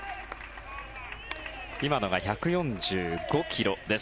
今のが１４５ｋｍです。